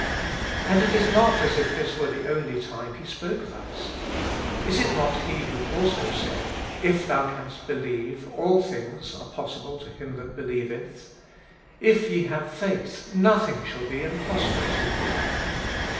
And it is not as if tliis were the only time He spoke thus ; is it not He who also said, " If thou canst be lieve, ALL THINGS are possible to him that believeth ;"" If ye have faith, nothing shall be impossible to you."